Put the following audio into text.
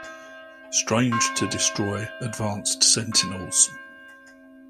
Strange to destroy advanced Sentinels.